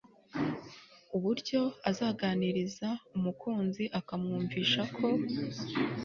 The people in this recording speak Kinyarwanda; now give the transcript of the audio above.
uburyo azaganiriza umukunzi akamwumvisha ko